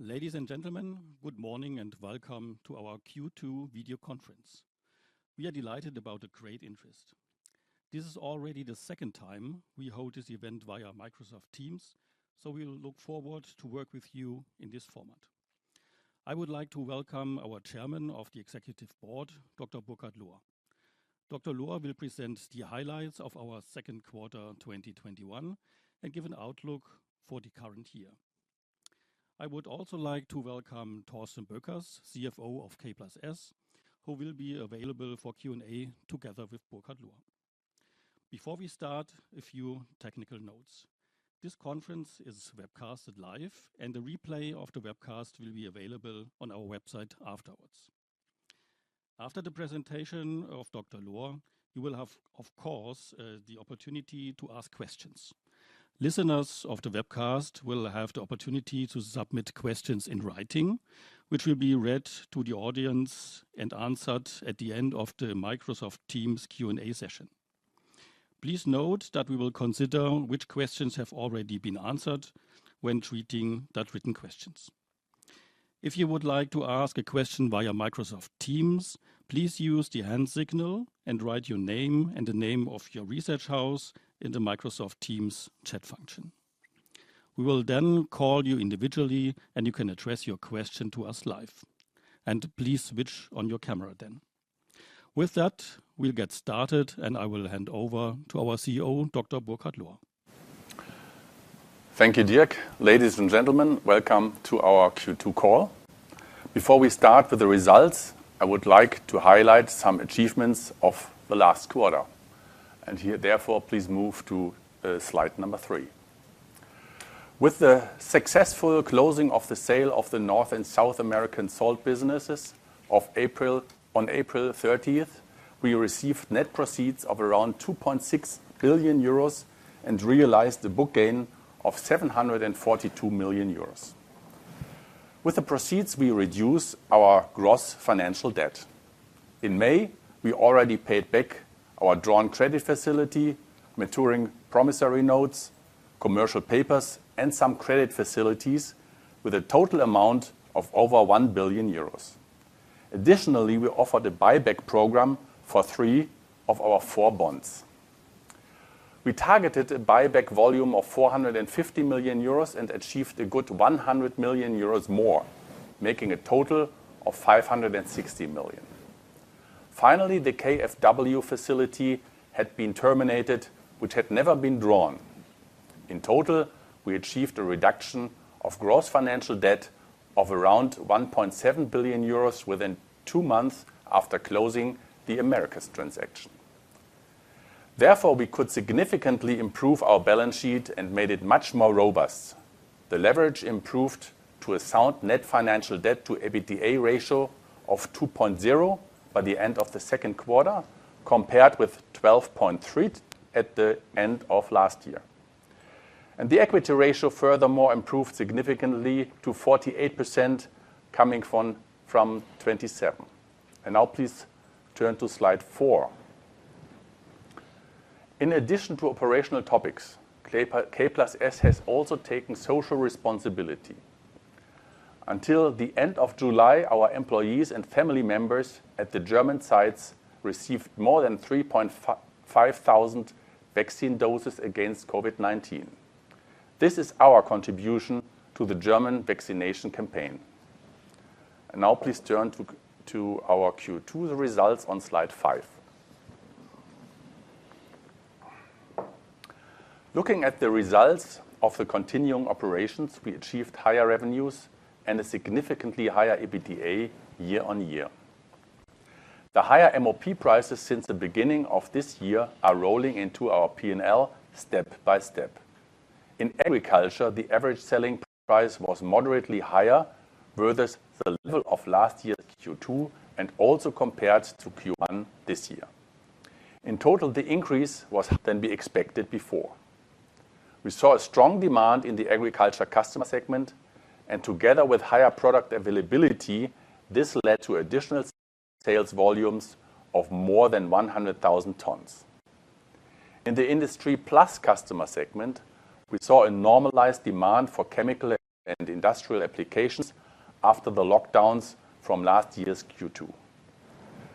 Ladies and gentlemen, good morning and welcome to our Q2 video conference. We are delighted about the great interest. This is already the second time we hold this event via Microsoft Teams, so we look forward to work with you in this format. I would like to welcome our Chairman of the Executive Board, Dr. Burkhard Lohr. Dr. Lohr will present the highlights of our second quarter 2021 and give an outlook for the current year. I would also like to welcome Thorsten Boeckers, CFO of K+S, who will be available for Q&A together with Burkhard Lohr. Before we start, a few technical notes. This conference is webcasted live and the replay of the webcast will be available on our website afterwards. After the presentation of Dr. Lohr, you will have, of course, the opportunity to ask questions. Listeners of the webcast will have the opportunity to submit questions in writing, which will be read to the audience and answered at the end of the Microsoft Teams Q&A session. Please note that we will consider which questions have already been answered when treating that written questions. If you would like to ask a question via Microsoft Teams, please use the hand signal and write your name and the name of your research house in the Microsoft Teams chat function. We will then call you individually and you can address your question to us live. Please switch on your camera then. With that, we'll get started and I will hand over to our CEO, Dr. Burkhard Lohr. Thank you, Dirk. Ladies and gentlemen, welcome to our Q2 call. Before we start with the results, I would like to highlight some achievements of the last quarter and here, therefore, please move to slide three. With the successful closing of the sale of the North and South American salt businesses on April 30th, we received net proceeds of around 2.6 billion euros and realized a book gain of 742 million euros. With the proceeds, we reduce our gross financial debt. In May, we already paid back our drawn credit facility, maturing promissory notes, commercial papers, and some credit facilities with a total amount of over 1 billion euros. Additionally, we offered a buyback program for three of our four bonds. We targeted a buyback volume of 450 million euros and achieved a good 100 million euros more, making a total of 560 million. Finally, the KfW facility had been terminated, which had never been drawn. In total, we achieved a reduction of gross financial debt of around 1.7 billion euros within two months after closing the Americas transaction. We could significantly improve our balance sheet and made it much more robust. The leverage improved to a sound net financial debt to EBITDA ratio of 2.0 by the end of the second quarter, compared with 12.3 at the end of last year. The equity ratio furthermore improved significantly to 48% coming from 27. Now please turn to slide four. In addition to operational topics, K+S has also taken social responsibility. Until the end of July, our employees and family members at the German sites received more than 3,500 vaccine doses against COVID-19. This is our contribution to the German vaccination campaign. Now please turn to our Q2 results on slide five. Looking at the results of the continuing operations, we achieved higher revenues and a significantly higher EBITDA year-on-year. The higher MOP prices since the beginning of this year are rolling into our P&L step by step. In agriculture, the average selling price was moderately higher versus the level of last year's Q2, and also compared to Q1 this year. In total, the increase was than we expected before. We saw a strong demand in the agriculture customer segment, and together with higher product availability, this led to additional sales volumes of more than 100,000 tons. In the IndustryPlus customer segment, we saw a normalized demand for chemical and industrial applications after the lockdowns from last year's Q2.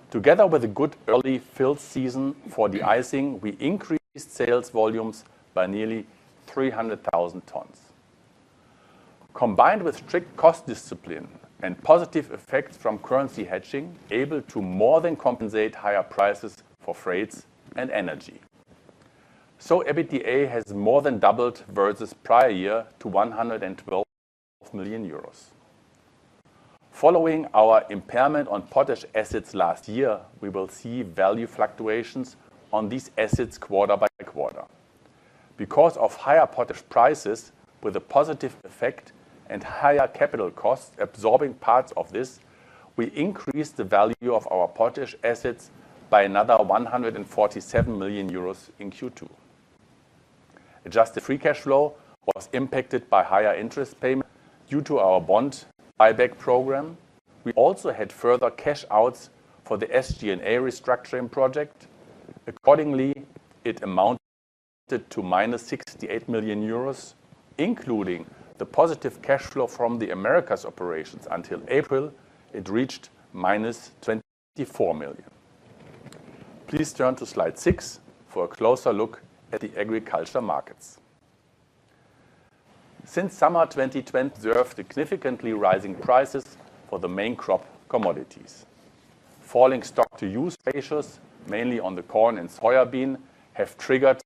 Together with a good early fill season for de-icing, we increased sales volumes by nearly 300,000 tons. Combined with strict cost discipline and positive effects from currency hedging, able to more than compensate higher prices for freights and energy. EBITDA has more than doubled versus prior year to 112 million euros. Following our impairment on potash assets last year, we will see value fluctuations on these assets quarter by quarter. Because of higher potash prices with a positive effect and higher capital costs absorbing parts of this, we increased the value of our potash assets by another 147 million euros in Q2. Adjusted free cash flow was impacted by higher interest payment due to our bond buyback program. We also had further cash outs for the SG&A restructuring project. Accordingly, it amounted to minus 68 million euros, including the positive cash flow from the Americas operations until April, it reached minus 24 million. Please turn to slide six for a closer look at the agriculture markets. Since summer 2020, there are significantly rising prices for the main crop commodities. Falling stock to use ratios, mainly on the corn and soybean, have triggered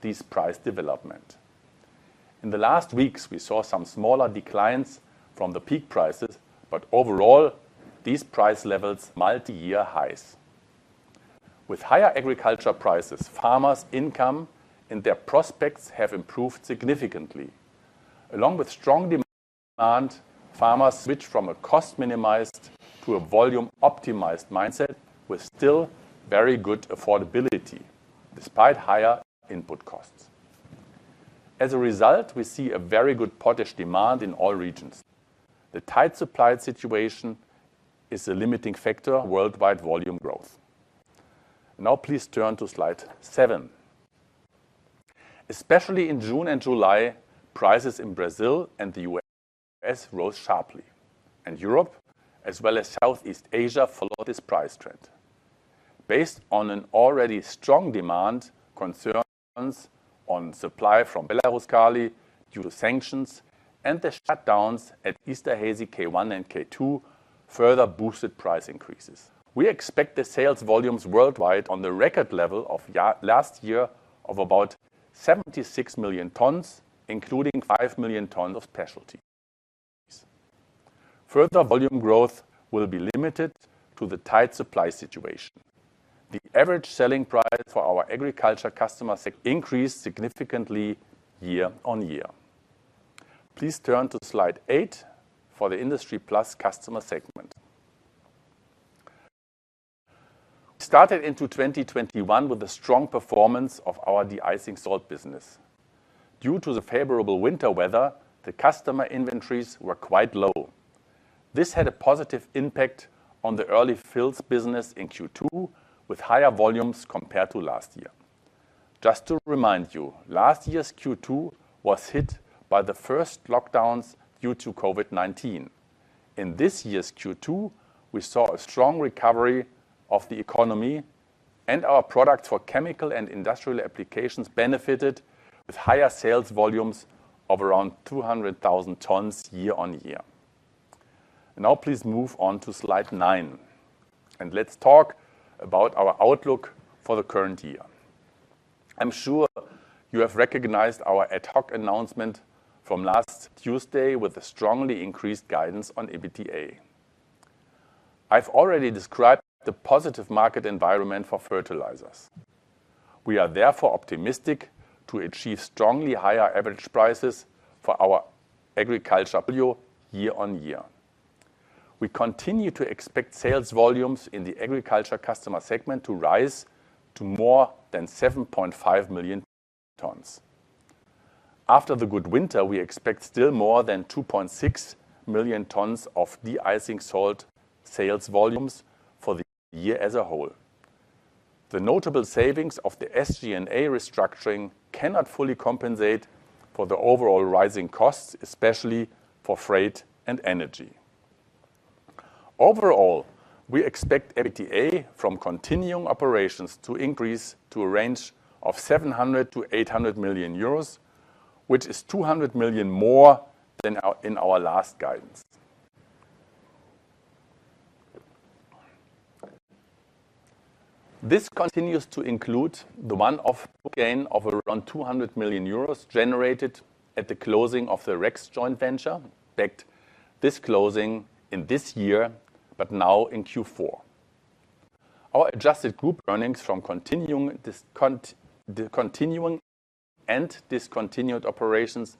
this price development. In the last weeks, we saw some smaller declines from the peak prices, overall, these price levels multi-year highs. With higher agriculture prices, farmers' income and their prospects have improved significantly. Along with strong demand, farmers switch from a cost-minimized to a volume-optimized mindset, with still very good affordability despite higher input costs. As a result, we see a very good potash demand in all regions. The tight supply situation is a limiting factor on worldwide volume growth. Now please turn to slide seven. Especially in June and July, prices in Brazil and the U.S. rose sharply, Europe as well as Southeast Asia followed this price trend. Based on an already strong demand, concerns on supply from Belaruskali due to sanctions and the shutdowns at Esterhazy K1 and K2 further boosted price increases. We expect the sales volumes worldwide on the record level of last year of about 76 million tons, including 5 million tons of specialties. Further volume growth will be limited to the tight supply situation. The average selling price for our agriculture customers increased significantly year-on-year. Please turn to slide eight for the IndustryPlus Customer segment. We started into 2021 with a strong performance of our de-icing salt business. Due to the favorable winter weather, the customer inventories were quite low. This had a positive impact on the early fills business in Q2, with higher volumes compared to last year. Just to remind you, last year's Q2 was hit by the first lockdowns due to COVID-19. In this year's Q2, we saw a strong recovery of the economy, our product for chemical and industrial applications benefited with higher sales volumes of around 200,000 tons year-on-year. Please move on to slide nine. Let's talk about our outlook for the current year. I'm sure you have recognized our ad hoc announcement from last Tuesday with a strongly increased guidance on EBITDA. I've already described the positive market environment for fertilizers. We are therefore optimistic to achieve strongly higher average prices for our agriculture BU year-on-year. We continue to expect sales volumes in the agriculture customer segment to rise to more than 7.5 million tons. After the good winter, we expect still more than 2.6 million tons of de-icing salt sales volumes for the year as a whole. The notable savings of the SG&A restructuring cannot fully compensate for the overall rising costs, especially for freight and energy. Overall, we expect EBITDA from continuing operations to increase to a range of 700 million-800 million euros, which is 200 million more than in our last guidance. This continues to include the one-off gain of around 200 million euros generated at the closing of the REKS joint venture. We expect this closing in this year, but now in Q4. Our adjusted group earnings from continuing and discontinued operations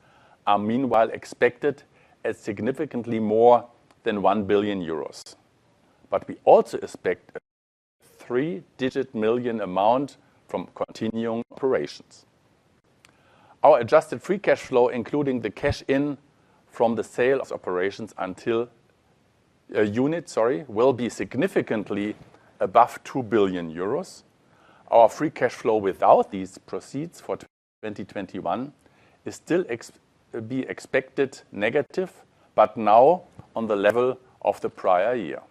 are meanwhile expected at significantly more than 1 billion euros. We also expect a three-digit million amount from continuing operations. Our adjusted free cash flow, including the cash in from the sale of a unit, will be significantly above 2 billion euros. Our free cash flow without these proceeds for 2021 is still be expected negative, but now on the level of the prior year.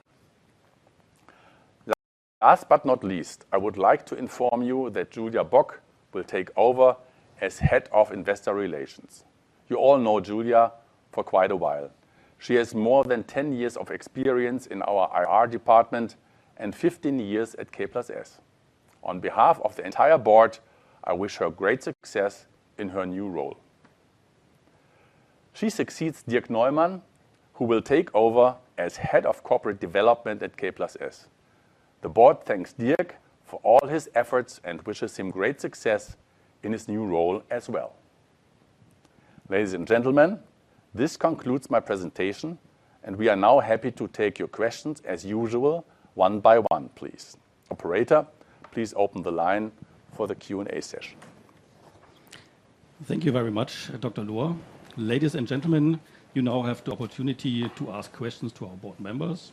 Last but not least, I would like to inform you that Julia Bock will take over as Head of Investor Relations. You all know Julia for quite a while. She has more than 10 years of experience in our IR department and 15 years at K+S. On behalf of the entire board, I wish her great success in her new role. She succeeds Dirk Neumann, who will take over as Head of Corporate Development at K+S. The board thanks Dirk for all his efforts and wishes him great success in his new role as well. Ladies and gentlemen, this concludes my presentation and we are now happy to take your questions as usual, one by one, please. Operator, please open the line for the Q&A session. Thank you very much, Dr. Lohr. Ladies and gentlemen, you now have the opportunity to ask questions to our board members.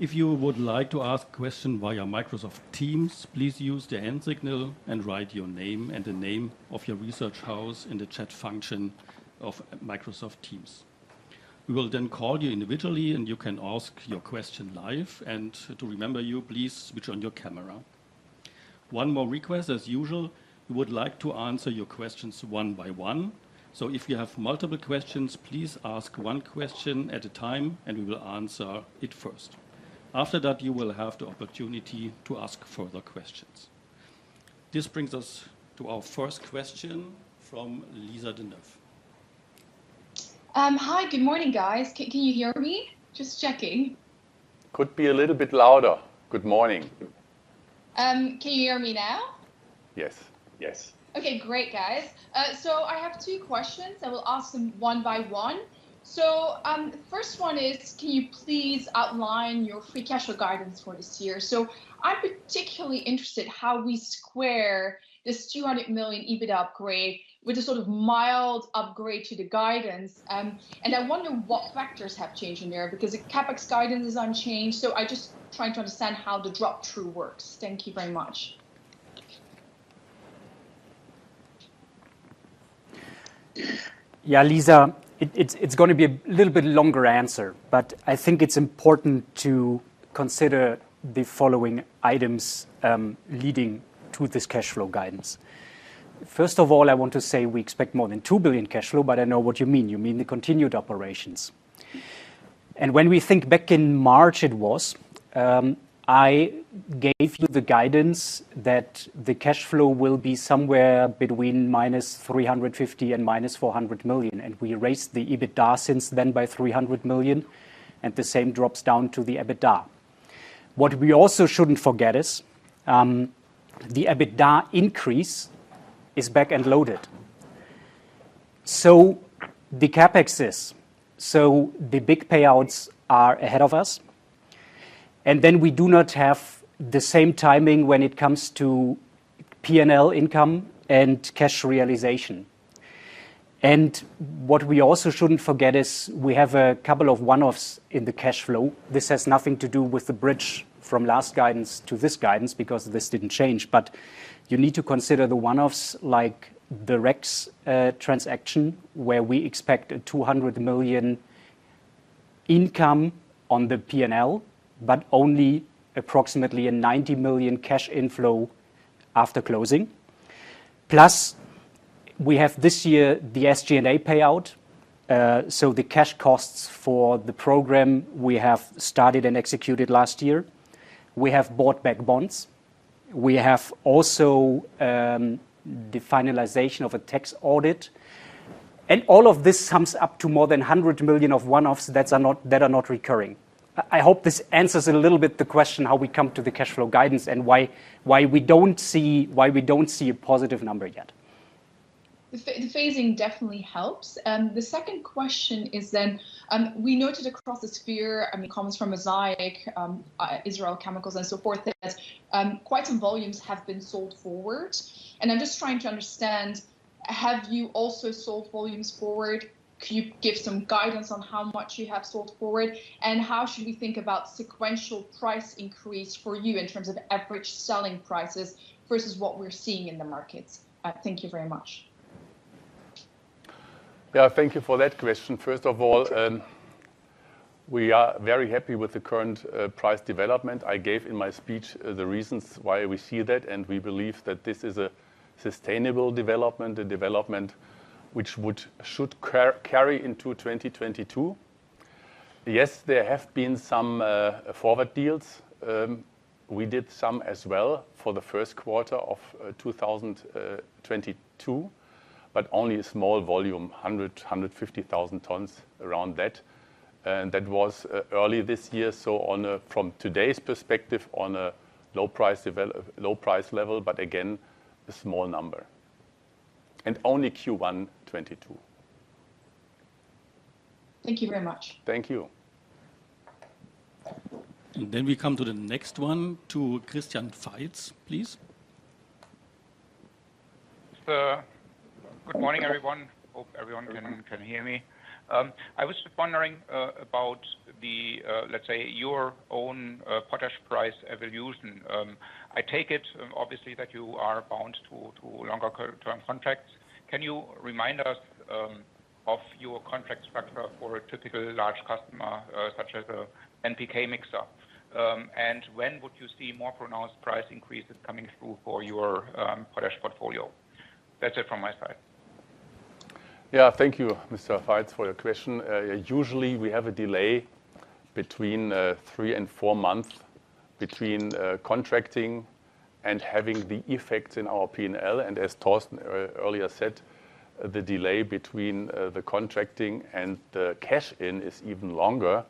If you would like to ask a question via Microsoft Teams, please use the hand signal and write your name and the name of your research house in the chat function of Microsoft Teams. We will then call you individually, and you can ask your question live. To remember you, please switch on your camera. One more request, as usual, we would like to answer your questions one by one. If you have multiple questions, please ask one question at a time, and we will answer it first. After that, you will have the opportunity to ask further questions. This brings us to our first question from Lisa de Nooij. Hi, good morning, guys. Can you hear me? Just checking. Could be a little bit louder. Good morning. Can you hear me now? Yes. Okay, great, guys. I have two questions. I will ask them one by one. The first one is, can you please outline your free cash flow guidance for this year? I'm particularly interested how we square this 200 million EBIT upgrade with the sort of mild upgrade to the guidance. I wonder what factors have changed in there, because the CapEx guidance is unchanged. I'm just trying to understand how the drop-through works. Thank you very much. Yeah, Lisa, it's going to be a little bit longer answer, but I think it's important to consider the following items leading to this cash flow guidance. First of all, I want to say we expect more than 2 billion cash flow, but I know what you mean. You mean the continued operations. When we think back in March, it was, I gave you the guidance that the cash flow will be somewhere between minus 350 million and minus 400 million. We raised the EBITDA since then by 300 million. The same drops down to the EBITDA. What we also shouldn't forget is, the EBITDA increase is back-end loaded. The CapExes, so the big payouts are ahead of us. We do not have the same timing when it comes to P&L income and cash realization. What we also shouldn't forget is we have a couple of one-offs in the cash flow. This has nothing to do with the bridge from last guidance to this guidance because this didn't change, but you need to consider the one-offs like the REKS transaction, where we expect 200 million income on the P&L, but only approximately a 90 million cash inflow after closing. We have this year the SG&A payout, so the cash costs for the program we have started and executed last year. We have bought back bonds. We have also the finalization of a tax audit. All of this sums up to more than 100 million of one-offs that are not recurring. I hope this answers a little bit the question how we come to the cash flow guidance and why we don't see a positive number yet. The phasing definitely helps. The second question is, we noted across the sphere, comments from Mosaic, Israel Chemicals and so forth, that quite some volumes have been sold forward. I'm just trying to understand, have you also sold volumes forward? Could you give some guidance on how much you have sold forward? How should we think about sequential price increase for you in terms of average selling prices versus what we're seeing in the markets? Thank you very much. Thank you for that question. First of all, we are very happy with the current price development. I gave in my speech the reasons why we see that, and we believe that this is a sustainable development, a development which should carry into 2022. There have been some forward deals. We did some as well for the first quarter of 2022, but only a small volume, 100,000, 150,000 tons around that. That was early this year, so from today's perspective, on a low price level, but again, a small number. Only Q1 2022. Thank you very much. Thank you. We come to the next one, to Christian Veit, please. Good morning, everyone. Hope everyone can hear me. I was just wondering about, let's say, your own potash price evolution. I take it, obviously, that you are bound to longer-term contracts. Can you remind us of your contract structure for a typical large customer, such as an NPK mixer? When would you see more pronounced price increases coming through for your potash portfolio? That's it from my side. Yeah. Thank you, Mr. Veits, for your question. Usually, we have a delay between three and four months between contracting and having the effect in our P&L. As Thorsten earlier said, the delay between the contracting and the cash in is even longer.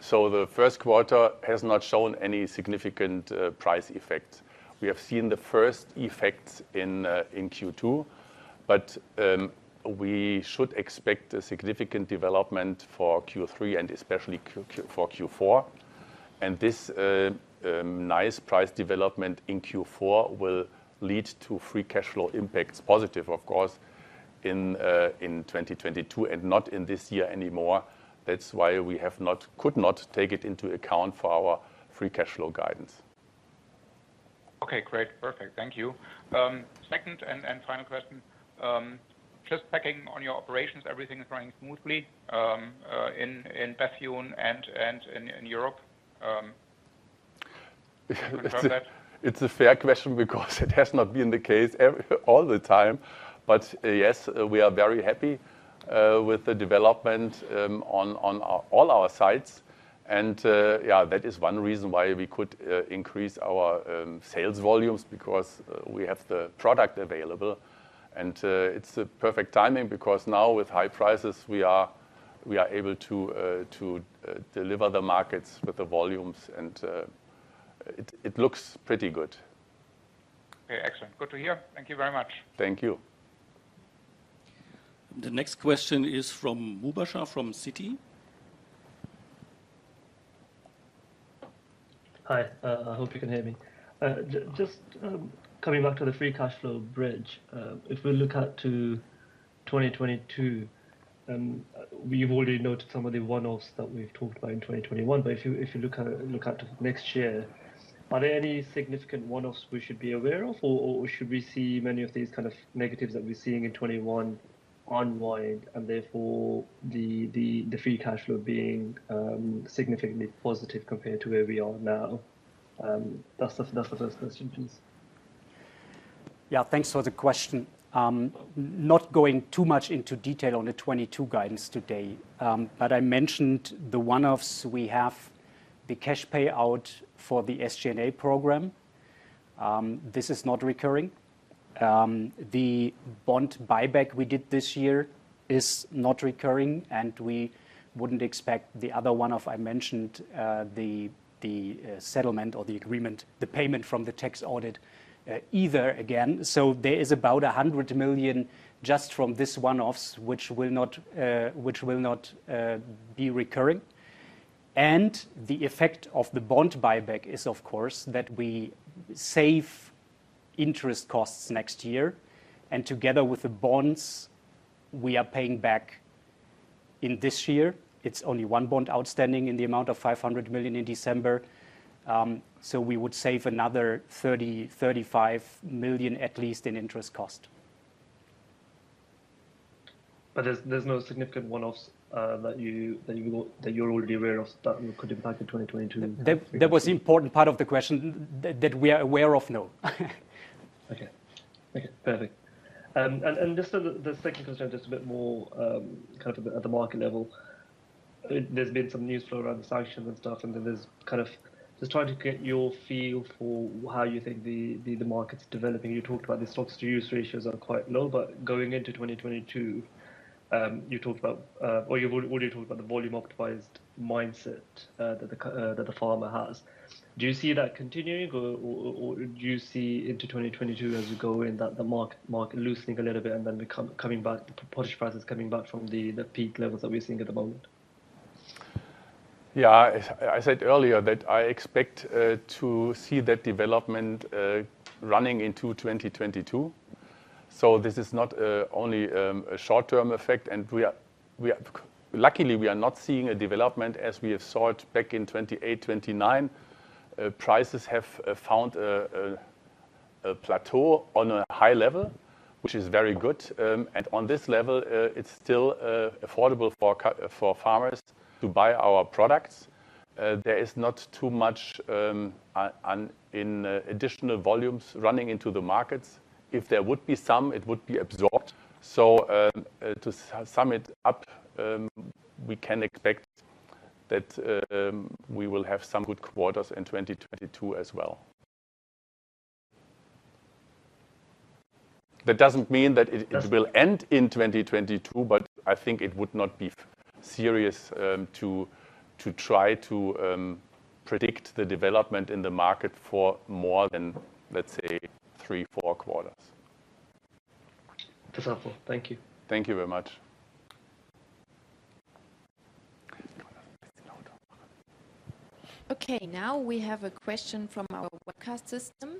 So the first quarter has not shown any significant price effect. We have seen the first effects in Q2, but we should expect a significant development for Q3 and especially for Q4. This nice price development in Q4 will lead to free cash flow impacts positive, of course, in 2022 and not in this year anymore. That's why we could not take it into account for our free cash flow guidance. Okay, great. Perfect. Thank you. Second and final question. Just checking on your operations, everything is running smoothly in Bethune and in Europe? It's a fair question because it has not been the case all the time. Yes, we are very happy with the development on all our sites. Yeah, that is one reason why we could increase our sales volumes because we have the product available and it's a perfect timing because now with high prices, we are able to deliver the markets with the volumes and it looks pretty good. Okay, excellent. Good to hear. Thank you very much. Thank you. The next question is from Mubasher from Citi. Hi, I hope you can hear me. Just coming back to the free cash flow bridge. If we look out to 2022, we've already noted some of the one-offs that we've talked about in 2021. If you look out to next year, are there any significant one-offs we should be aware of? Should we see many of these kind of negatives that we're seeing in 2021 unwind, and therefore the free cash flow being significantly positive compared to where we are now? That's the first question, please. Yeah, thanks for the question. Not going too much into detail on the 2022 guidance today, I mentioned the one-offs we have, the cash payout for the SG&A program. This is not recurring. The bond buyback we did this year is not recurring. We wouldn't expect the other one-off I mentioned, the settlement or the agreement, the payment from the tax audit either again. There is about 100 million just from this one-offs, which will not be recurring. The effect of the bond buyback is, of course, that we save interest costs next year. Together with the bonds we are paying back in this year, it's only one bond outstanding in the amount of 500 million in December. We would save another 30 million-35 million at least in interest cost. There's no significant one-offs that you're already aware of that could impact in 2022? That was the important part of the question. That we are aware of, no. Okay. Perfect. Just the second question, just a bit more at the market level. There's been some news flow around the sanctions and stuff, and just trying to get your feel for how you think the market's developing. You talked about the stocks to use ratios are quite low, but going into 2022, you already talked about the volume optimized mindset that the farmer has. Do you see that continuing or do you see into 2022 as we go in that the market loosening a little bit and then the potash prices coming back from the peak levels that we're seeing at the moment? Yeah, I said earlier that I expect to see that development running into 2022. This is not only a short-term effect, and luckily, we are not seeing a development as we have saw it back in 2008, 2009. Prices have found a plateau on a high level, which is very good. On this level, it's still affordable for farmers to buy our products. There is not too much in additional volumes running into the markets. If there would be some, it would be absorbed. To sum it up, we can expect that we will have some good quarters in 2022 as well. That doesn't mean that it will end in 2022, but I think it would not be serious to try to predict the development in the market for more than, let's say, three, four quarters. That's helpful. Thank you. Thank you very much. Okay, now we have a question from our webcast system,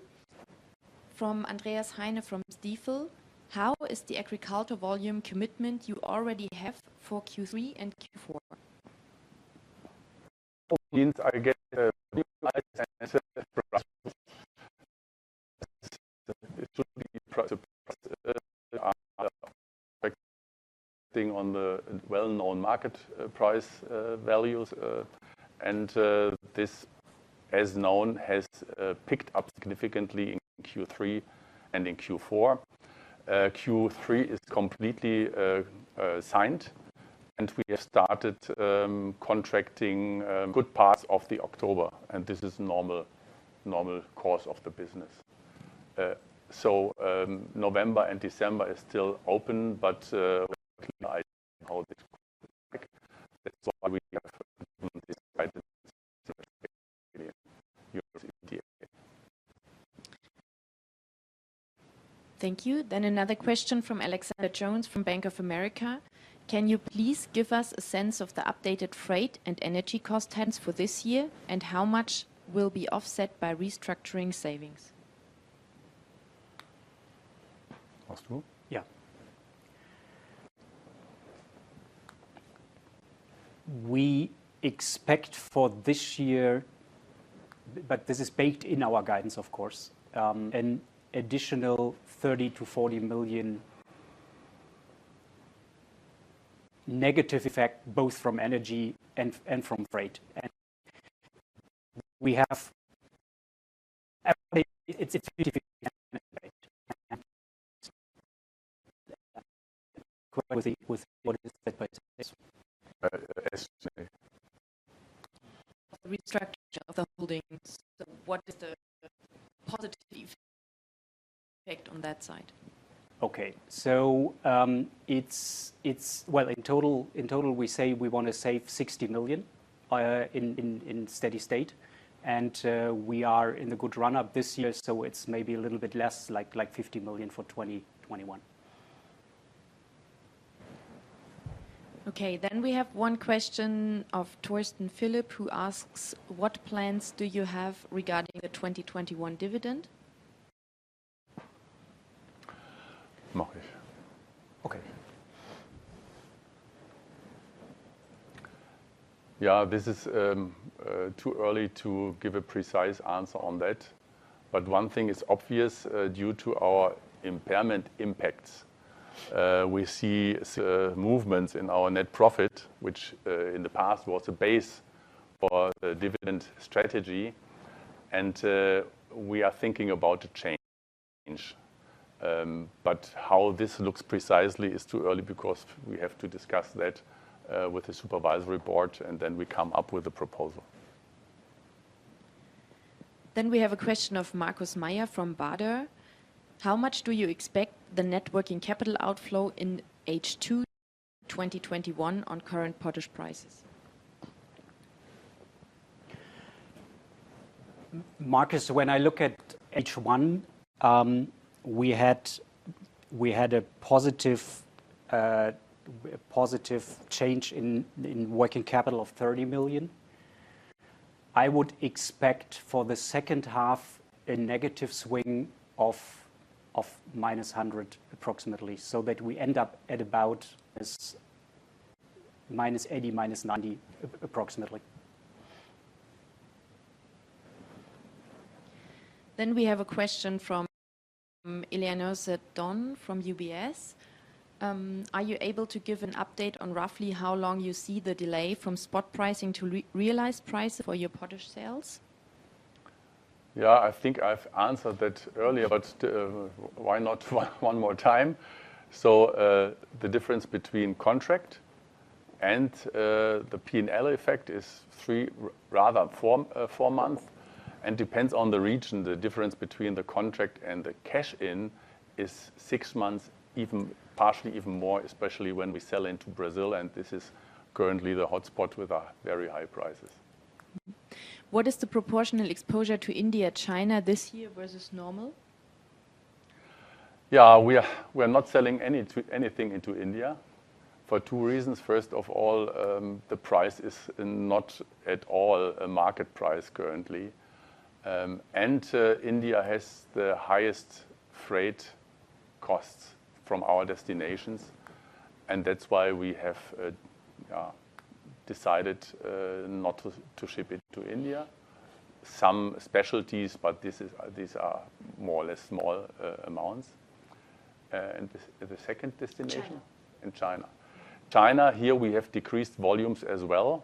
from Andreas Heine from Stifel. How is the agriculture volume commitment you already have for Q3 and Q4? Means I get on the well-known market price values, and this as known, has picked up significantly in Q3 and in Q4. Q3 is completely signed, and we have started contracting good parts of the October, and this is normal course of the business. November and December is still open. Thank you. Another question from Alexander Jones from Bank of America. Can you please give us a sense of the updated freight and energy cost trends for this year, and how much will be offset by restructuring savings? [Astrupp?] Yeah. We expect for this year, but this is baked in our guidance, of course, an additional EUR 30 million-EUR 40 million negative effect both from energy and from freight. The restructure of the holdings, what is the positive effect on that side? In total, we say we want to save 60 million in steady state. We are in the good run-up this year, so it's maybe a little bit less, like 50 million for 2021. Okay. We have one question of Thorsten Philipp, who asks: what plans do you have regarding the 2021 dividend? Moritz. Okay. Yeah. This is too early to give a precise answer on that. One thing is obvious, due to our impairment impacts, we see movements in our net profit, which in the past was a base for the dividend strategy, and we are thinking about a change. How this looks precisely is too early, because we have to discuss that with the supervisory board, and then we come up with a proposal. We have a question of Markus Mayer from Baader. How much do you expect the net working capital outflow in H2 2021 on current potash prices? Markus, when I look at H1, we had a positive change in working capital of 30 million. I would expect for the second half a negative swing of minus 100 approximately, so that we end up at about minus 80, minus 90 approximately. We have a question from UBS. Are you able to give an update on roughly how long you see the delay from spot pricing to realized price for your potash sales? Yeah, I think I've answered that earlier, but why not one more time? The difference between contract and the P&L effect is three, rather four months, and depends on the region. The difference between the contract and the cash in is six months, partially even more, especially when we sell into Brazil, and this is currently the hotspot with our very high prices. What is the proportional exposure to India, China this year versus normal? Yeah. We are not selling anything into India for two reasons. First of all, the price is not at all a market price currently. India has the highest freight costs from our destinations, and that's why we have decided not to ship it to India. Some specialties, but these are more or less small amounts. The second destination? China. China. China, here we have decreased volumes as well.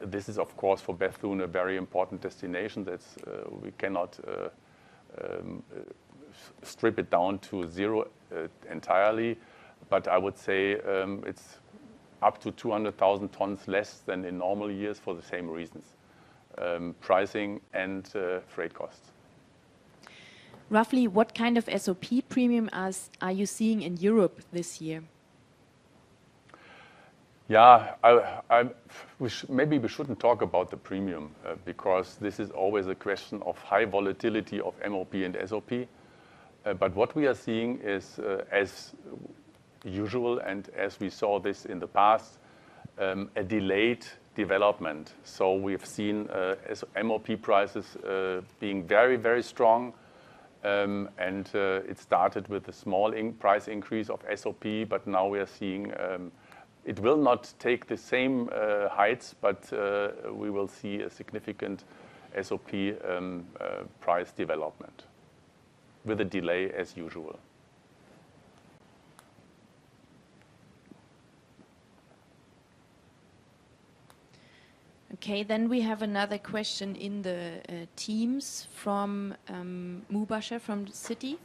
This is, of course, for Bethune, a very important destination that we cannot strip it down to zero entirely. I would say it's up to 200,000 tons less than in normal years for the same reasons, pricing and freight costs. Roughly what kind of SOP premium are you seeing in Europe this year? Yeah. Maybe we shouldn't talk about the premium, because this is always a question of high volatility of MOP and SOP. What we are seeing is, as usual and as we saw this in the past, a delayed development. We've seen MOP prices being very strong, and it started with a small price increase of SOP. Now we are seeing it will not take the same heights, but we will see a significant SOP price development with a delay as usual. Okay, we have another question in the Teams from Mubasher from Citi.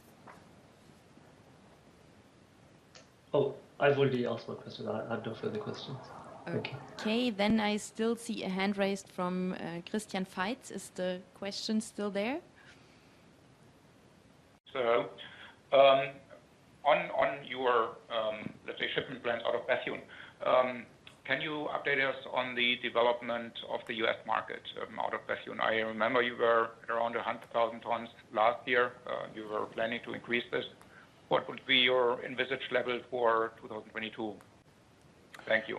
Oh, I've already asked my question. I have no further questions. Thank you. Okay, I still see a hand raised from Christian Veit. Is the question still there? Hello. Out of Bethune. Can you update us on the development of the U.S. market out of Bethune? I remember you were around 100,000 tons last year. You were planning to increase this. What would be your envisaged level for 2022? Thank you.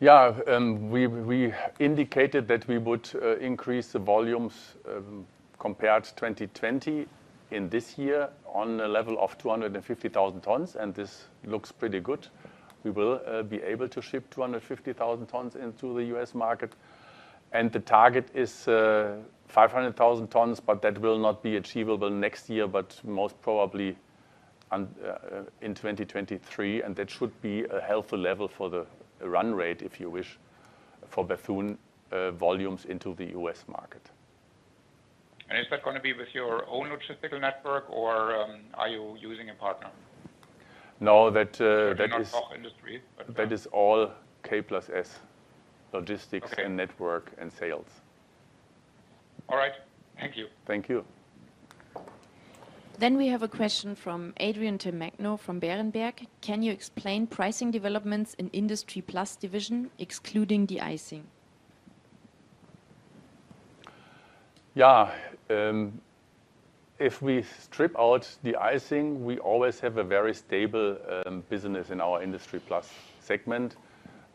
Yeah. We indicated that we would increase the volumes compared to 2020 in this year on a level of 250,000 tons, and this looks pretty good. We will be able to ship 250,000 tons into the U.S. market, and the target is 500,000 tons, but that will not be achievable next year, but most probably in 2023. That should be a healthy level for the run rate, if you wish, for Bethune volumes into the U.S. market. Is that going to be with your own logistical network, or are you using a partner? No. Industries. That is all K+S logistics. Okay. Network and sales. All right. Thank you. Thank you. We have a question from Adrien Tamagno from Berenberg. Can you explain pricing developments in IndustryPlus division, excluding de-icing? Yeah. If we strip out de-icing, we always have a very stable business in our IndustryPlus segment.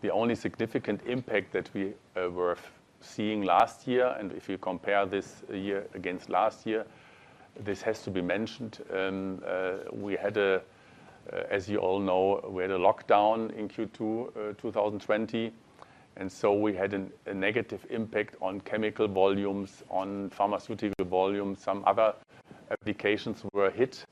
The only significant impact that we were seeing last year, and if you compare this year against last year, this has to be mentioned. As you all know, we had a lockdown in Q2 2020, and so we had a negative impact on chemical volumes, on pharmaceutical volumes. Some other applications were hit.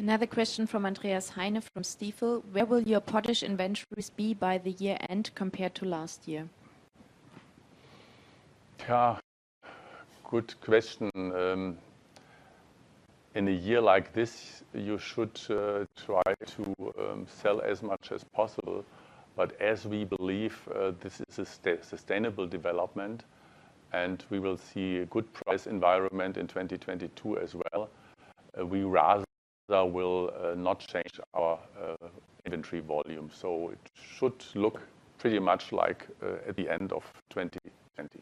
Another question from Andreas Heine from Stifel. Where will your potash inventories be by the year-end compared to last year? Good question. In a year like this, you should try to sell as much as possible. As we believe this is a sustainable development and we will see a good price environment in 2022 as well, we rather will not change our inventory volume. It should look pretty much like at the end of 2020.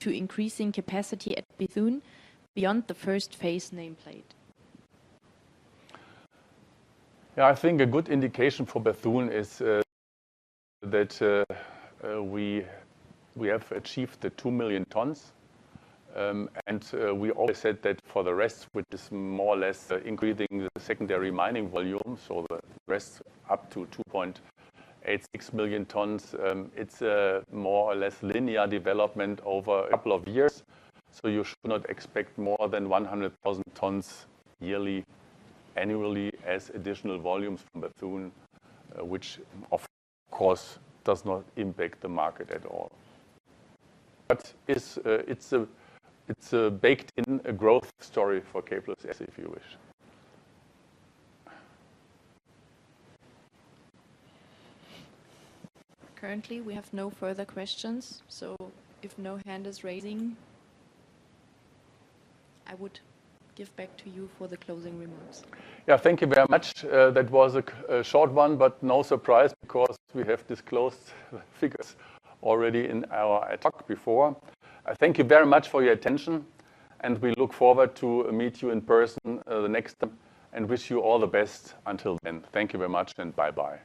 To increasing capacity at Bethune beyond the first phase nameplate. I think a good indication for Bethune is that we have achieved the 2 million tons. We always said that for the rest, which is more or less increasing the secondary mining volume, so the rest up to 2.86 million tons. It's a more or less linear development over a couple of years, so you should not expect more than 100,000 tons yearly, annually as additional volumes from Bethune, which of course does not impact the market at all. It's a baked-in growth story for K+S, if you wish. Currently, we have no further questions, so if no hand is raising, I would give back to you for the closing remarks. Thank you very much. That was a short one, but no surprise because we have disclosed figures already in our talk before. Thank you very much for your attention, and we look forward to meet you in person the next time and wish you all the best until then. Thank you very much and bye-bye.